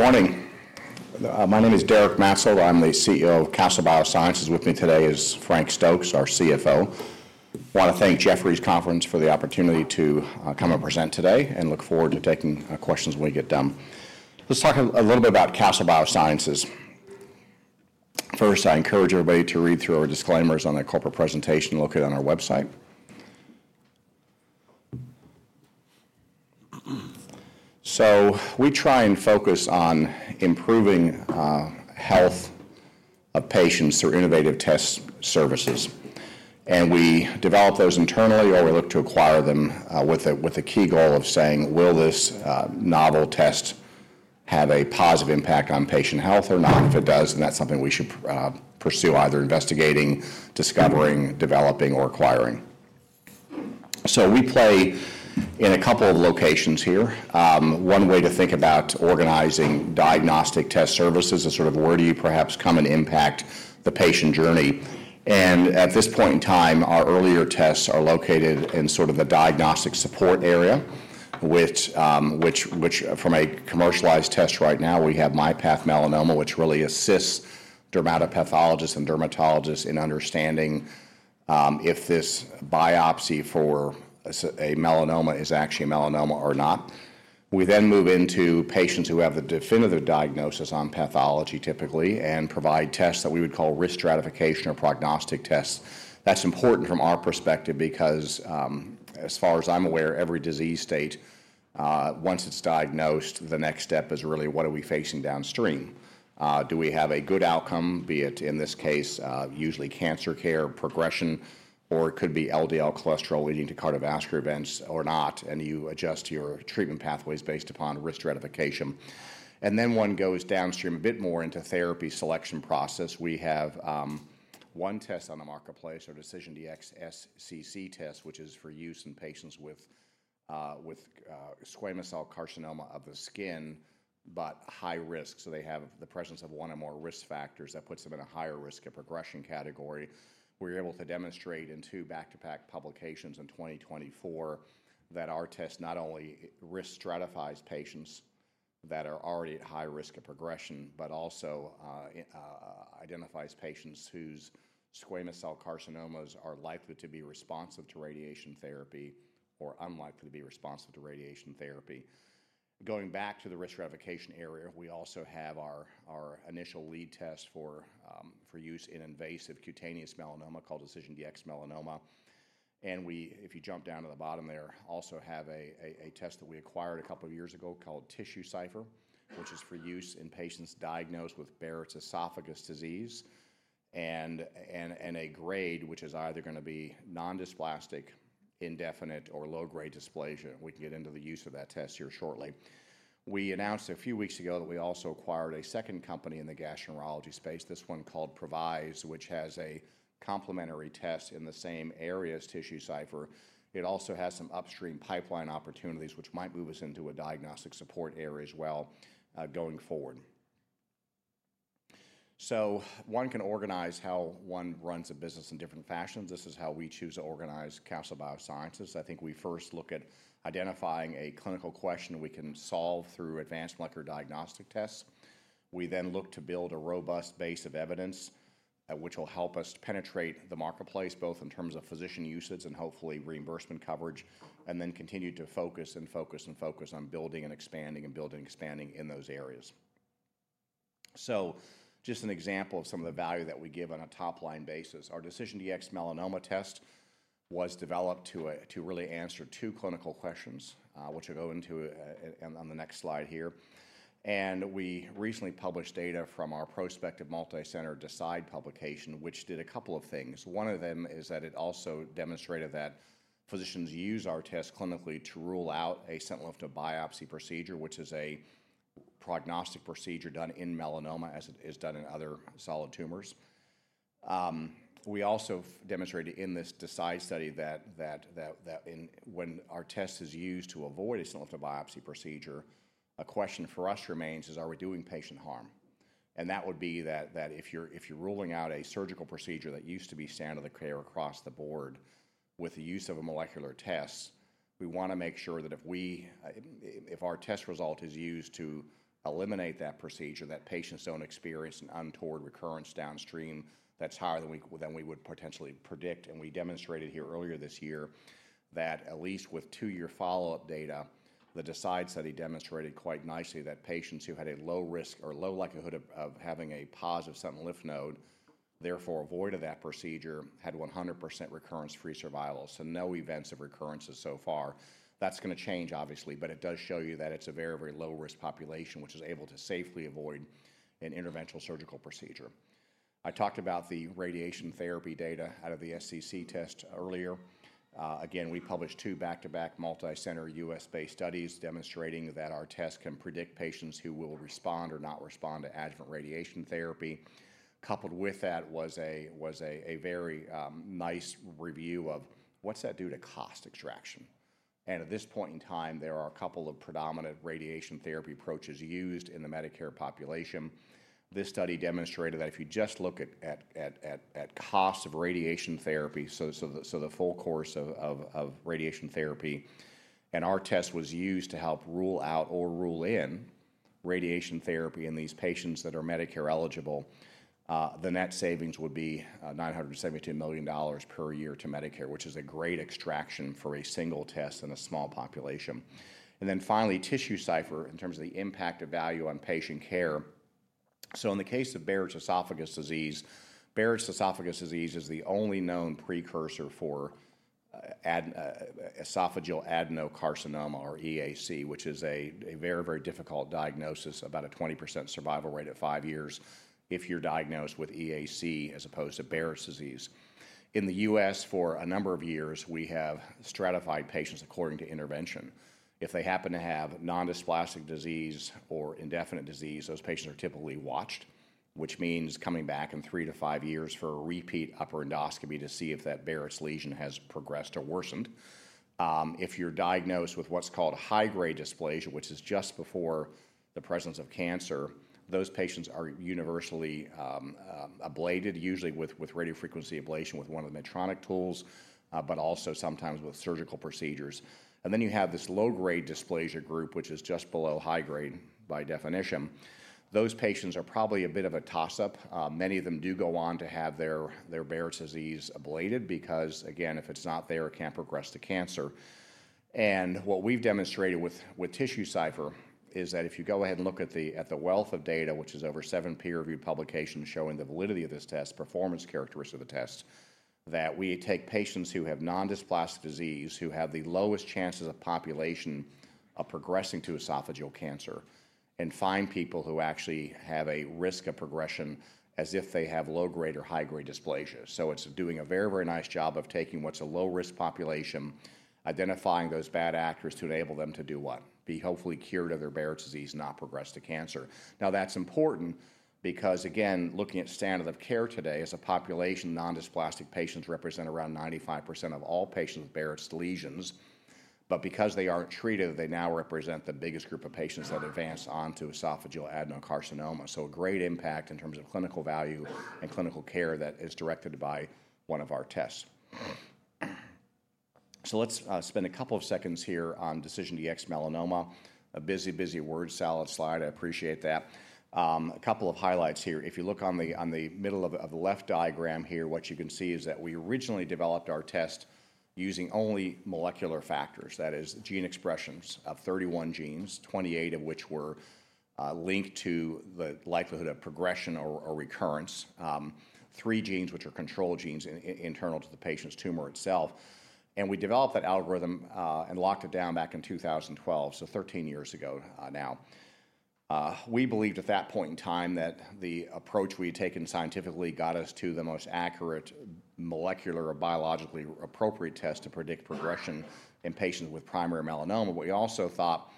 Morning. My name is Derek Maetzold. I'm the CEO of Castle Biosciences. With me today is Frank Stokes, our CFO. I want to thank Jefferies Conference for the opportunity to come and present today, and look forward to taking questions when we get done. Let's talk a little bit about Castle Biosciences. First, I encourage everybody to read through our disclaimers on the corporate presentation and look at it on our website. We try and focus on improving health of patients through innovative test services. We develop those internally or look to acquire them with the key goal of saying, will this novel test have a positive impact on patient health or not? If it does, then that's something we should pursue, either investigating, discovering, developing, or acquiring. We play in a couple of locations here. One way to think about organizing diagnostic test services is sort of where do you perhaps come and impact the patient journey. At this point in time, our earlier tests are located in sort of the diagnostic support area, which from a commercialized test right now, we have MyPath Melanoma, which really assists dermatopathologists and dermatologists in understanding if this biopsy for a melanoma is actually a melanoma or not. We then move into patients who have the definitive diagnosis on pathology typically and provide tests that we would call risk stratification or prognostic tests. That is important from our perspective because, as far as I'm aware, every disease state, once it's diagnosed, the next step is really, what are we facing downstream? Do we have a good outcome, be it in this case, usually cancer care, progression, or it could be LDL cholesterol leading to cardiovascular events or not? You adjust your treatment pathways based upon risk stratification. One goes downstream a bit more into therapy selection process. We have one test on the marketplace, our DecisionDx-SCC test, which is for use in patients with squamous cell carcinoma of the skin, but high risk. They have the presence of one or more risk factors that puts them in a higher risk of progression category. We are able to demonstrate in two back-to-back publications in 2024 that our test not only risk stratifies patients that are already at high risk of progression, but also identifies patients whose squamous cell carcinomas are likely to be responsive to radiation therapy or unlikely to be responsive to radiation therapy. Going back to the risk stratification area, we also have our initial lead test for use in invasive cutaneous melanoma called DecisionDx-Melanoma. If you jump down to the bottom there, also have a test that we acquired a couple of years ago called TissueCypher, which is for use in patients diagnosed with Barrett's esophagus disease and a grade, which is either going to be non-dysplastic, indefinite, or low-grade dysplasia. We can get into the use of that test here shortly. We announced a few weeks ago that we also acquired a second company in the gastroenterology space, this one called Provise, which has a complementary test in the same area as TissueCypher. It also has some upstream pipeline opportunities, which might move us into a diagnostic support area as well going forward. One can organize how one runs a business in different fashions. This is how we choose to organize Castle Biosciences. I think we first look at identifying a clinical question we can solve through advanced molecular diagnostic tests. We then look to build a robust base of evidence, which will help us penetrate the marketplace both in terms of physician usage and hopefully reimbursement coverage, and then continue to focus and focus and focus on building and expanding and building and expanding in those areas. Just an example of some of the value that we give on a top-line basis. Our DecisionDx-Melanoma test was developed to really answer two clinical questions, which I'll go into on the next slide here. We recently published data from our prospective multicenter DECIDE publication, which did a couple of things. One of them is that it also demonstrated that physicians use our test clinically to rule out a sentinel lymph node biopsy procedure, which is a prognostic procedure done in melanoma as it is done in other solid tumors. We also demonstrated in this DECIDE study that when our test is used to avoid a sentinel lymph node biopsy procedure, a question for us remains is, are we doing patient harm? That would be that if you're ruling out a surgical procedure that used to be standard of care across the board with the use of a molecular test, we want to make sure that if our test result is used to eliminate that procedure, that patients don't experience an untoward recurrence downstream that's higher than we would potentially predict. We demonstrated here earlier this year that at least with two-year follow-up data, the DECIDE study demonstrated quite nicely that patients who had a low risk or low likelihood of having a positive sentinel lymph node, therefore avoided that procedure, had 100% recurrence-free survival. No events of recurrences so far. That is going to change, obviously, but it does show you that it is a very, very low-risk population, which is able to safely avoid an interventional surgical procedure. I talked about the radiation therapy data out of the SCC test earlier. Again, we published two back-to-back multicenter U.S.-based studies demonstrating that our test can predict patients who will respond or not respond to adjuvant radiation therapy. Coupled with that was a very nice review of what that does to cost extraction. At this point in time, there are a couple of predominant radiation therapy approaches used in the Medicare population. This study demonstrated that if you just look at costs of radiation therapy, so the full course of radiation therapy, and our test was used to help rule out or rule in radiation therapy in these patients that are Medicare eligible, the net savings would be $972 million per year to Medicare, which is a great extraction for a single test in a small population. Finally, TissueCypher in terms of the impact of value on patient care. In the case of Barrett's esophagus disease, Barrett's esophagus disease is the only known precursor for esophageal adenocarcinoma or EAC, which is a very, very difficult diagnosis, about a 20% survival rate at five years if you're diagnosed with EAC as opposed to Barrett's disease. In the U.S., for a number of years, we have stratified patients according to intervention. If they happen to have non-dysplastic disease or indefinite disease, those patients are typically watched, which means coming back in 3-5 years for a repeat upper endoscopy to see if that Barrett's lesion has progressed or worsened. If you're diagnosed with what's called high-grade dysplasia, which is just before the presence of cancer, those patients are universally ablated, usually with radiofrequency ablation with one of the Medtronic tools, but also sometimes with surgical procedures. You have this low-grade dysplasia group, which is just below high-grade by definition. Those patients are probably a bit of a toss-up. Many of them do go on to have their Barrett's disease ablated because, again, if it's not there, it can't progress to cancer. What we've demonstrated with TissueCypher is that if you go ahead and look at the wealth of data, which is over seven peer-reviewed publications showing the validity of this test, performance characteristics of the test, that we take patients who have non-dysplastic disease, who have the lowest chances of population of progressing to esophageal cancer, and find people who actually have a risk of progression as if they have low-grade or high-grade dysplasia. It is doing a very, very nice job of taking what is a low-risk population, identifying those bad actors to enable them to do what? Be hopefully cured of their Barrett's disease, not progress to cancer. That is important because, again, looking at standard of care today, as a population, non-dysplastic patients represent around 95% of all patients with Barrett's lesions. Because they are not treated, they now represent the biggest group of patients that advance on to esophageal adenocarcinoma. A great impact in terms of clinical value and clinical care is directed by one of our tests. Let's spend a couple of seconds here on DecisionDx-Melanoma. A busy, busy word salad slide. I appreciate that. A couple of highlights here. If you look on the middle of the left diagram here, what you can see is that we originally developed our test using only molecular factors, that is, gene expressions of 31 genes, 28 of which were linked to the likelihood of progression or recurrence, three genes which are control genes internal to the patient's tumor itself. We developed that algorithm and locked it down back in 2012, so 13 years ago now. We believed at that point in time that the approach we had taken scientifically got us to the most accurate molecular or biologically appropriate test to predict progression in patients with primary melanoma. We also thought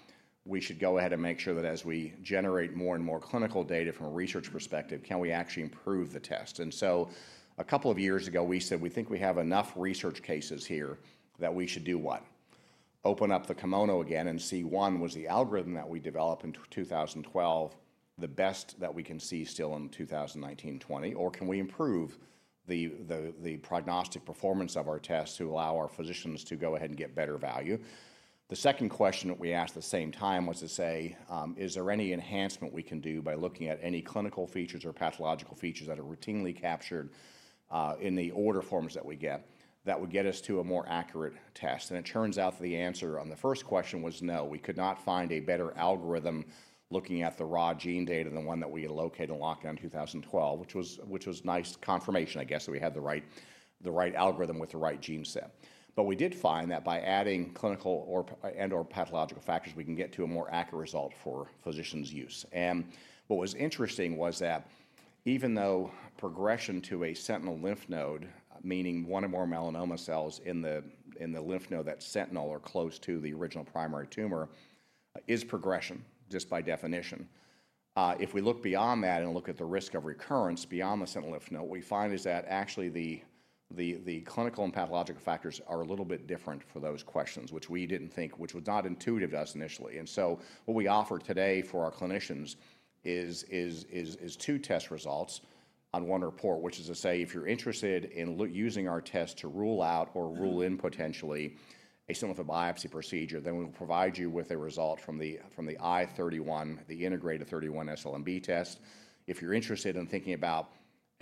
we should go ahead and make sure that as we generate more and more clinical data from a research perspective, can we actually improve the test? A couple of years ago, we said, "We think we have enough research cases here that we should do what? Open up the kimono again and see, one, was the algorithm that we developed in 2012 the best that we can see still in 2019, 2020? Can we improve the prognostic performance of our tests to allow our physicians to go ahead and get better value? The second question that we asked at the same time was to say, "Is there any enhancement we can do by looking at any clinical features or pathological features that are routinely captured in the order forms that we get that would get us to a more accurate test?" It turns out the answer on the first question was no. We could not find a better algorithm looking at the raw gene data than one that we located in lockdown 2012, which was nice confirmation, I guess, that we had the right algorithm with the right gene set. We did find that by adding clinical and/or pathological factors, we can get to a more accurate result for physicians' use. What was interesting was that even though progression to a sentinel lymph node, meaning one or more melanoma cells in the lymph node that's sentinel or close to the original primary tumor, is progression just by definition, if we look beyond that and look at the risk of recurrence beyond the sentinel lymph node, what we find is that actually the clinical and pathological factors are a little bit different for those questions, which we didn't think, which was not intuitive to us initially. What we offer today for our clinicians is two test results on one report, which is to say, if you're interested in using our test to rule out or rule in potentially a sentinel lymph node biopsy procedure, then we will provide you with a result from the intergrated i31-SLNB test. If you're interested in thinking about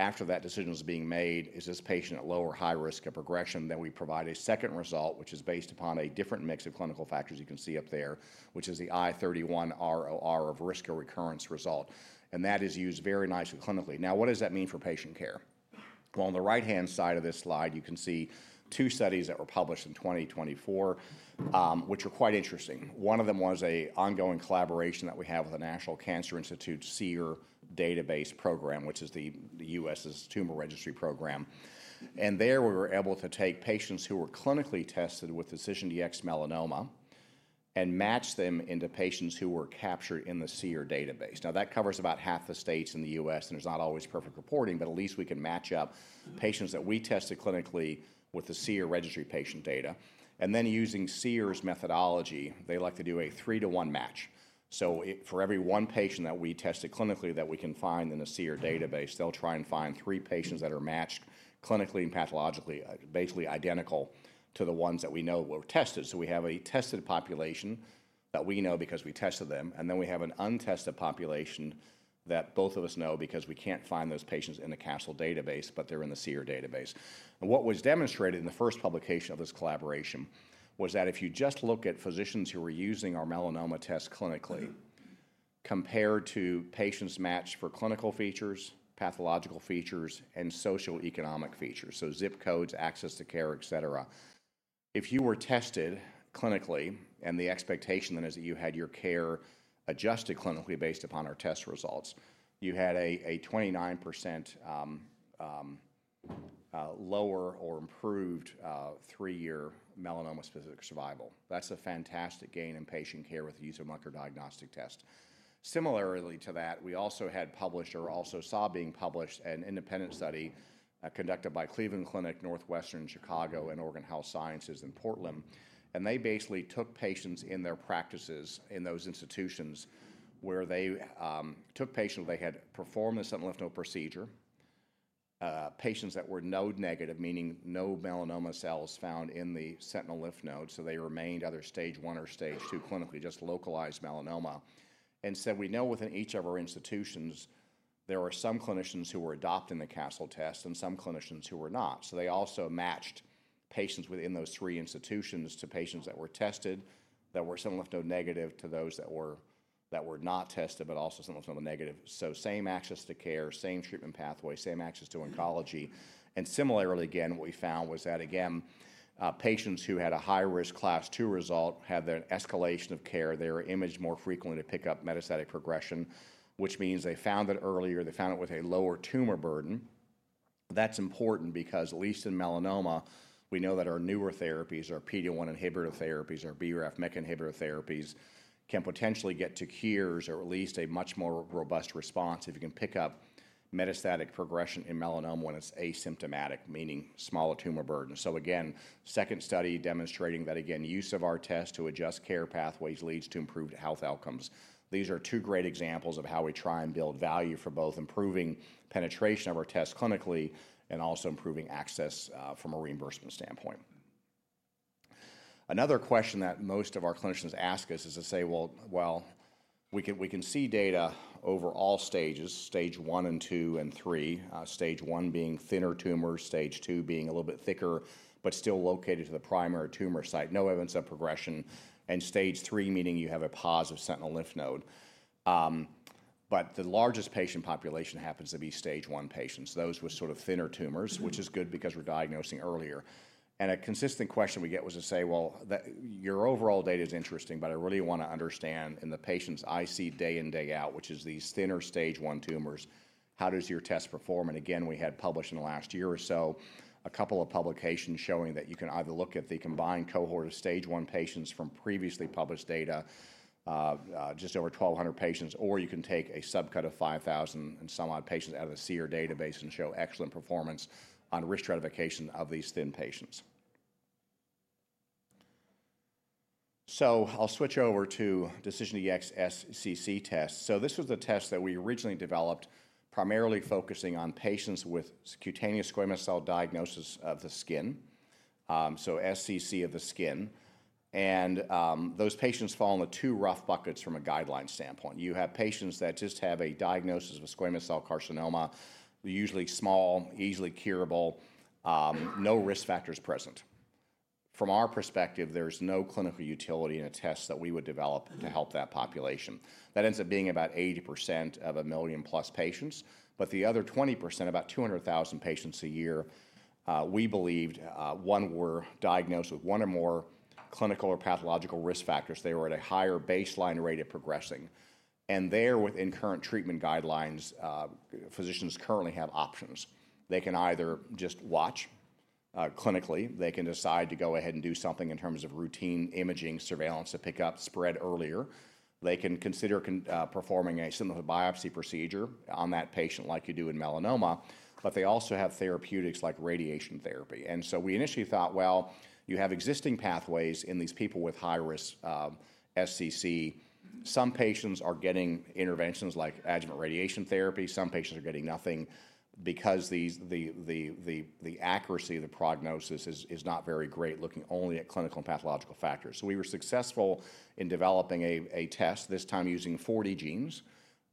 after that decision is being made, is this patient at low or high risk of progression, then we provide a second result, which is based upon a different mix of clinical factors you can see up there, which is the i31-ROR of risk or recurrence result. That is used very nicely clinically. Now, what does that mean for patient care? On the right-hand side of this slide, you can see two studies that were published in 2024, which are quite interesting. One of them was an ongoing collaboration that we have with the National Cancer Institute CER database program, which is the U.S.'s tumor registry program. There we were able to take patients who were clinically tested with DecisionDx-Melanoma and match them into patients who were captured in the CER database. Now, that covers about half the states in the U.S., and there's not always perfect reporting, but at least we can match up patients that we tested clinically with the CER registry patient data. Using CER's methodology, they like to do a 3:1 match. For every one patient that we tested clinically that we can find in the CER database, they'll try and find three patients that are matched clinically and pathologically, basically identical to the ones that we know were tested. We have a tested population that we know because we tested them, and then we have an untested population that both of us know because we can't find those patients in the Castle database, but they're in the CER database. What was demonstrated in the first publication of this collaboration was that if you just look at physicians who were using our melanoma test clinically compared to patients matched for clinical features, pathological features, and socioeconomic features, so zip codes, access to care, etc., if you were tested clinically, and the expectation then is that you had your care adjusted clinically based upon our test results, you had a 29% lower or improved three-year melanoma-specific survival. That's a fantastic gain in patient care with the use of microdiagnostic test. Similarly to that, we also had published or also saw being published an independent study conducted by Cleveland Clinic, Northwestern, Chicago, and Oregon Health & Science in Portland. They basically took patients in their practices in those institutions where they took patients where they had performance of a lymph node procedure, patients that were node negative, meaning no melanoma cells found in the sentinel lymph node, so they remained either stage I or stage II clinically, just localized melanoma. They said, "We know within each of our institutions, there were some clinicians who were adopting the Castle test and some clinicians who were not." They also matched patients within those three institutions to patients that were tested that were sentinel lymph node negative to those that were not tested, but also sentinel lymph node negative. Same access to care, same treatment pathway, same access to oncology. Similarly, again, what we found was that, again, patients who had a high-risk class two result had the escalation of care. They were imaged more frequently to pick up metastatic progression, which means they found it earlier. They found it with a lower tumor burden. That's important because, at least in melanoma, we know that our newer therapies, our PD-1 inhibitor therapies, our BRAF, MEK inhibitor therapies can potentially get to cures or at least a much more robust response if you can pick up metastatic progression in melanoma when it's asymptomatic, meaning smaller tumor burden. Again, second study demonstrating that, again, use of our test to adjust care pathways leads to improved health outcomes. These are two great examples of how we try and build value for both improving penetration of our test clinically and also improving access from a reimbursement standpoint. Another question that most of our clinicians ask us is to say, "Well, we can see data over all stages, stage I and II and III, stage I being thinner tumors, stage II being a little bit thicker, but still located to the primary tumor site, no evidence of progression, and stage III, meaning you have a positive sentinel lymph node." The largest patient population happens to be stage I patients. Those were sort of thinner tumors, which is good because we're diagnosing earlier. A consistent question we get was to say, "Well, your overall data is interesting, but I really want to understand in the patients I see day in, day out, which is these thinner stage I tumors, how does your test perform?" Again, we had published in the last year or so a couple of publications showing that you can either look at the combined cohort of stage I patients from previously published data, just over 1,200 patients, or you can take a subcut of 5,000 and some odd patients out of the CER database and show excellent performance on risk stratification of these thin patients. I'll switch over to DecisionDx-SCC test. This was the test that we originally developed primarily focusing on patients with cutaneous squamous cell diagnosis of the skin, so SCC of the skin. Those patients fall into two rough buckets from a guideline standpoint. You have patients that just have a diagnosis of squamous cell carcinoma, usually small, easily curable, no risk factors present. From our perspective, there's no clinical utility in a test that we would develop to help that population. That ends up being about 80% of a million-plus patients. The other 20%, about 200,000 patients a year, we believed when we're diagnosed with one or more clinical or pathological risk factors, they were at a higher baseline rate of progressing. There, within current treatment guidelines, physicians currently have options. They can either just watch clinically. They can decide to go ahead and do something in terms of routine imaging surveillance to pick up spread earlier. They can consider performing a sentinel node biopsy procedure on that patient like you do in melanoma, but they also have therapeutics like radiation therapy. We initially thought, "Well, you have existing pathways in these people with high-risk SCC. Some patients are getting interventions like adjuvant radiation therapy. Some patients are getting nothing because the accuracy of the prognosis is not very great looking only at clinical and pathological factors. We were successful in developing a test this time using 40 genes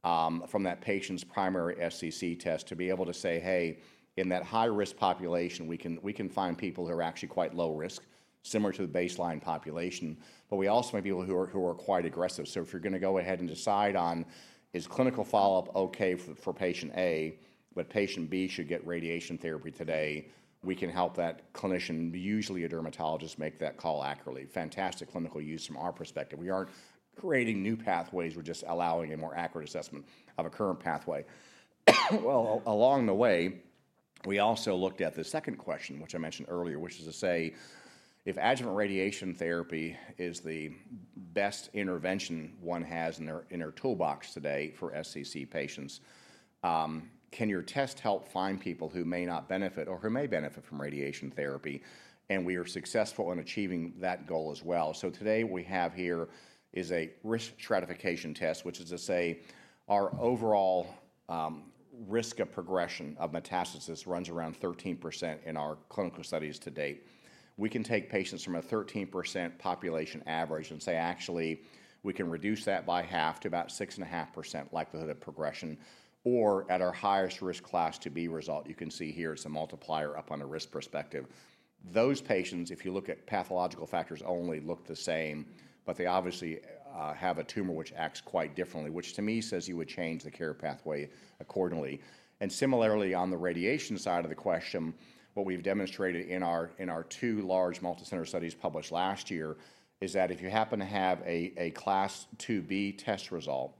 from that patient's primary SCC test to be able to say, "Hey, in that high-risk population, we can find people who are actually quite low risk, similar to the baseline population, but we also find people who are quite aggressive." If you're going to go ahead and decide on, "Is clinical follow-up okay for patient A, but patient B should get radiation therapy today," we can help that clinician, usually a dermatologist, make that call accurately. Fantastic clinical use from our perspective. We aren't creating new pathways. We're just allowing a more accurate assessment of a current pathway. Along the way, we also looked at the second question, which I mentioned earlier, which was to say, "If adjuvant radiation therapy is the best intervention one has in their toolbox today for SCC patients, can your test help find people who may not benefit or who may benefit from radiation therapy?" We are successful in achieving that goal as well. Today we have here is a risk stratification test, which is to say our overall risk of progression of metastasis runs around 13% in our clinical studies to date. We can take patients from a 13% population average and say, "Actually, we can reduce that by half to about 6.5% likelihood of progression," or at our highest risk class to be result, you can see here it's a multiplier up on the risk perspective. Those patients, if you look at pathological factors only, look the same, but they obviously have a tumor which acts quite differently, which to me says you would change the care pathway accordingly. Similarly, on the radiation side of the question, what we've demonstrated in our two large multicenter studies published last year is that if you happen to have a Class 2B test result,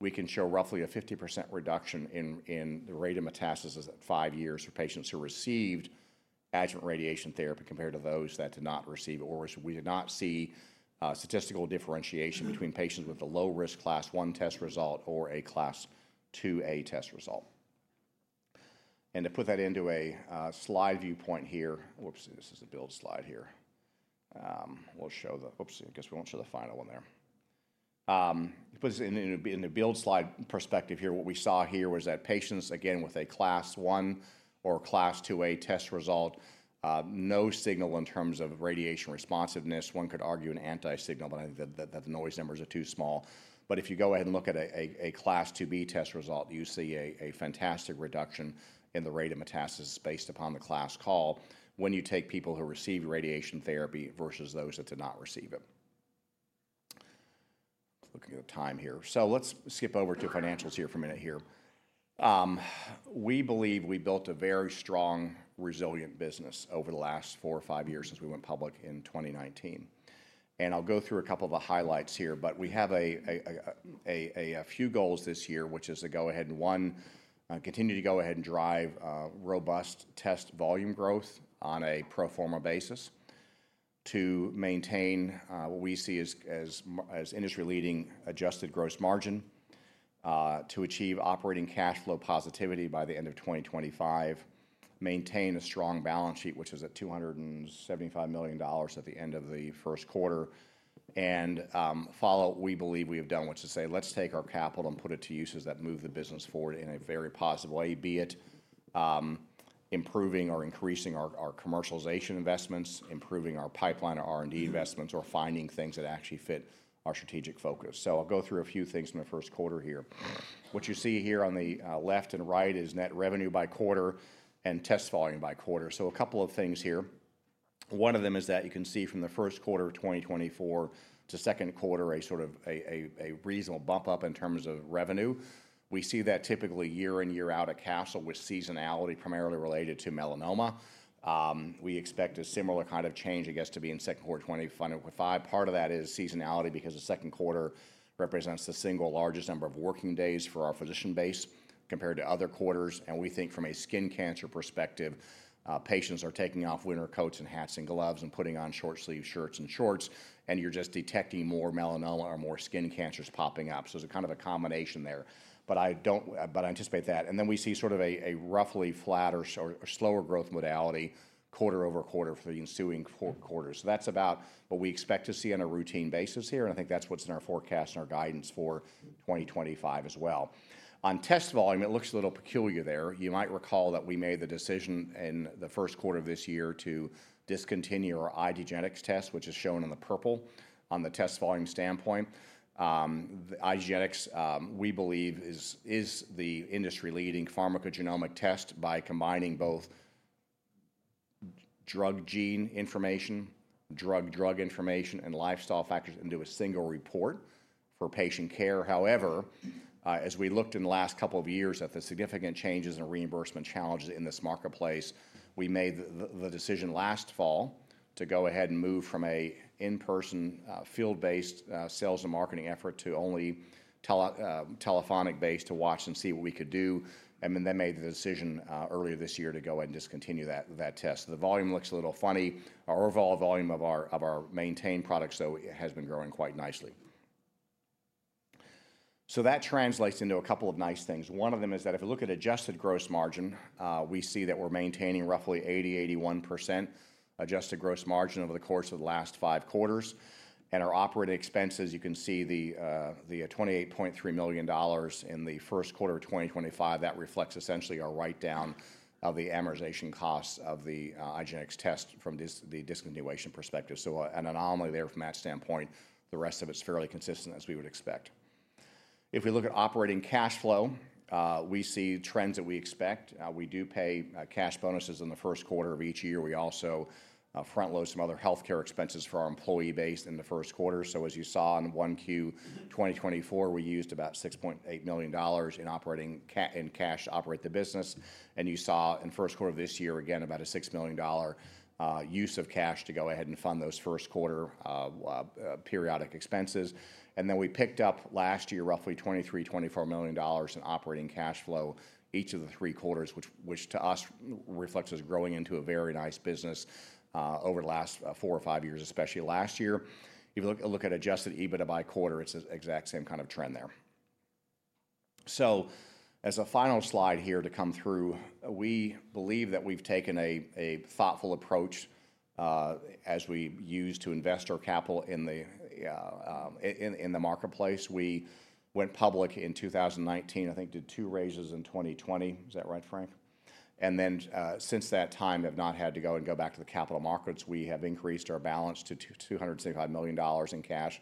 we can show roughly a 50% reduction in the rate of metastasis at five years for patients who received adjuvant radiation therapy compared to those that did not receive it, or we did not see statistical differentiation between patients with a low-risk Class 1 test result or a Class 2A test result. To put that into a slide viewpoint here, whoops, this is a build slide here. We'll show the, whoops, I guess we won't show the final one there. In the build slide perspective here, what we saw here was that patients, again, with Class 1 or Class 2A test result, no signal in terms of radiation responsiveness. One could argue an anti-signal, but I think that the noise numbers are too small. If you go ahead and look at a Class 2B test result, you see a fantastic reduction in the rate of metastasis based upon the class call when you take people who received radiation therapy versus those that did not receive it. Looking at time here. Let's skip over to financials here for a minute here. We believe we built a very strong, resilient business over the last four or five years since we went public in 2019. I'll go through a couple of the highlights here, but we have a few goals this year, which is to go ahead and, one, continue to go ahead and drive robust test volume growth on a pro forma basis, to maintain what we see as industry-leading adjusted gross margin, to achieve operating cash flow positivity by the end of 2025, maintain a strong balance sheet, which is at $275 million at the end of the first quarter, and follow what we believe we have done, which is to say, "Let's take our capital and put it to uses that move the business forward in a very positive way," be it improving or increasing our commercialization investments, improving our pipeline or R&D investments, or finding things that actually fit our strategic focus. I'll go through a few things from the first quarter here. What you see here on the left and right is net revenue by quarter and test volume by quarter. A couple of things here. One of them is that you can see from the first quarter of 2024 to second quarter, a sort of a reasonable bump up in terms of revenue. We see that typically year in, year out at Castle with seasonality primarily related to melanoma. We expect a similar kind of change, I guess, to be in second quarter 2025. Part of that is seasonality because the second quarter represents the single largest number of working days for our physician base compared to other quarters. We think from a skin cancer perspective, patients are taking off winter coats and hats and gloves and putting on short-sleeve shirts and shorts, and you're just detecting more melanoma or more skin cancers popping up. There is kind of a combination there, but I anticipate that. We see sort of a roughly flatter or slower growth modality quarter-over-quarter for the ensuing quarter. That is about what we expect to see on a routine basis here, and I think that is what is in our forecast and our guidance for 2025 as well. On test volume, it looks a little peculiar there. You might recall that we made the decision in the first quarter of this year to discontinue our iDgenetix test, which is shown in the purple on the test volume standpoint. The iDgenetix we believe, is the industry-leading pharmacogenomic test by combining both drug gene information, drug-drug information, and lifestyle factors into a single report for patient care. However, as we looked in the last couple of years at the significant changes in reimbursement challenges in this marketplace, we made the decision last fall to go ahead and move from an in-person, field-based sales and marketing effort to only telephonic-based to watch and see what we could do. They made the decision earlier this year to go ahead and discontinue that test. The volume looks a little funny. Our overall volume of our maintained product, so it has been growing quite nicely. That translates into a couple of nice things. One of them is that if we look at adjusted gross margin, we see that we're maintaining roughly 80%, 81% adjusted gross margin over the course of the last five quarters. Our operating expenses, you can see the $28.3 million in the first quarter of 2025, that reflects essentially our write-down of the amortization costs of the iDgenetix test from the discontinuation perspective. An anomaly there from that standpoint, the rest of it is fairly consistent as we would expect. If we look at operating cash flow, we see trends that we expect. We do pay cash bonuses in the first quarter of each year. We also front-load some other healthcare expenses for our employee base in the first quarter. As you saw in 1Q 2024, we used about $6.8 million in cash to operate the business. You saw in first quarter of this year, again, about a $6 million use of cash to go ahead and fund those first quarter periodic expenses. Then we picked up last year roughly $23 million-$24 million in operating cash flow each of the three quarters, which to us reflects as growing into a very nice business over the last four or five years, especially last year. If you look at adjusted EBITDA by quarter, it is the exact same kind of trend there. As a final slide here to come through, we believe that we have taken a thoughtful approach as we use to invest our capital in the marketplace. We went public in 2019, I think did two raises in 2020. Is that right, Frank? Since that time, have not had to go and go back to the capital markets. We have increased our balance to $275 million in cash,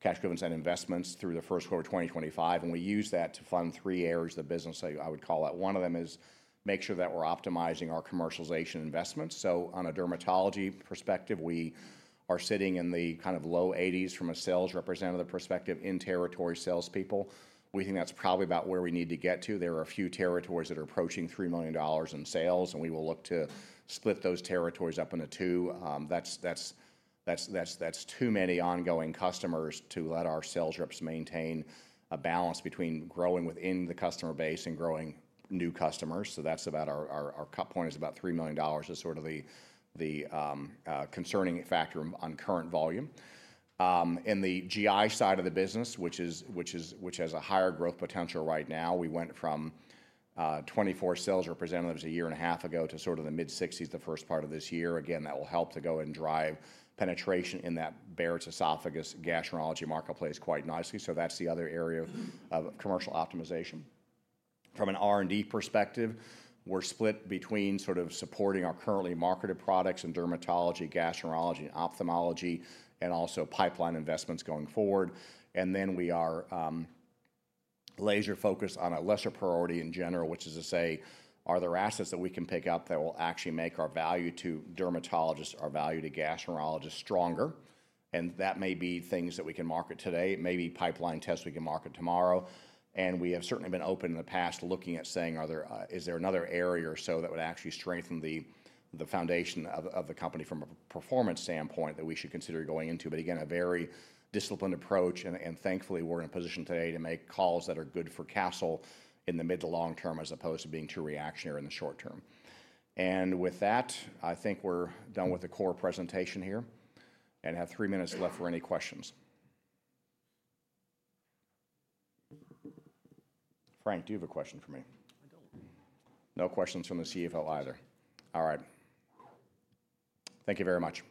cash givens and investments through the first quarter of 2025. We use that to fund three areas of the business, I would call it. One of them is make sure that we're optimizing our commercialization investments. From a dermatology perspective, we are sitting in the kind of low 80s from a sales representative perspective in territory salespeople. We think that's probably about where we need to get to. There are a few territories that are approaching $3 million in sales, and we will look to split those territories up into two. That's too many ongoing customers to let our sales reps maintain a balance between growing within the customer base and growing new customers. That's about our cut point, is about $3 million is sort of the concerning factor on current volume. In the GI side of the business, which has a higher growth potential right now, we went from 24 sales representatives a year and a half ago to sort of the mid-60s the first part of this year. That will help to go and drive penetration in that Barrett's esophagus gastroenterology marketplace quite nicely. That is the other area of commercial optimization. From an R&D perspective, we're split between sort of supporting our currently marketed products in dermatology, gastroenterology, ophthalmology, and also pipeline investments going forward. We are laser-focused on a lesser priority in general, which is to say, are there assets that we can pick up that will actually make our value to dermatologists, our value to gastroenterologists stronger? That may be things that we can market today. It may be pipeline tests we can market tomorrow. We have certainly been open in the past looking at saying, is there another area or so that would actually strengthen the foundation of the company from a performance standpoint that we should consider going into? Again, a very disciplined approach. Thankfully, we're in a position today to make calls that are good for Castle in the mid to long term as opposed to being too reactionary in the short term. With that, I think we're done with the core presentation here and have three minutes left for any questions. Frank, do you have a question for me? No questions from the CFO either. All right. Thank you very much. Thank you.